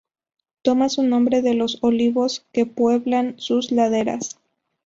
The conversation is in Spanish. Toma su nombre de los olivos que pueblan sus laderas.